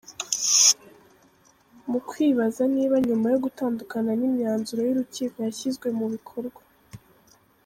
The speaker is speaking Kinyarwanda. Mukwibaza niba nyuma yo gutandukana imyanzuro y’urukiko yashyizwe mu bikorwa.